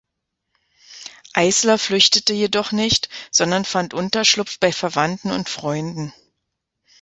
Eysler flüchtete jedoch nicht, sondern fand Unterschlupf bei Verwandten und Freunden.